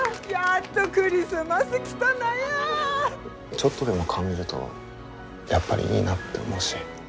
ちょっとでも顔見るとやっぱりいいなって思うし。